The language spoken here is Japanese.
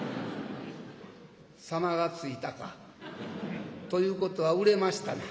「様が付いたか。ということは売れましたな？」。